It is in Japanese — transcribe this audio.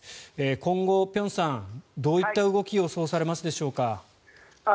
今後、辺さん、どういった動きを予想されますでしょうか。